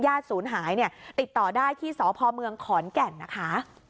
ญาติศูนย์หายติดต่อได้ที่สพเมืองขอนแก่นนะคะ